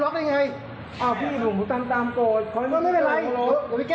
อันนี้ผมไม่ได้ชอบประมาณนี้ครับ